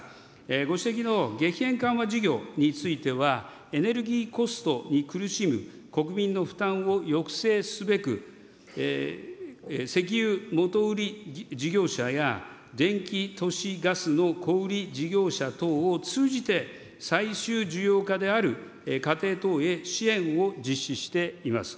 ご指摘の激変緩和事業については、エネルギーコストに苦しむ国民の負担を抑制すべく、石油元売り事業者や電気都市ガスの小売り事業者等を通じて、最終需要家である家庭等へ支援を実施しています。